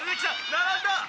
並んだ！」